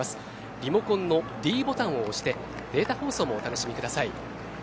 リモコンのｄボタンを押してデータ放送もお楽しみください。